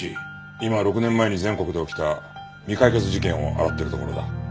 今６年前に全国で起きた未解決事件を洗ってるところだ。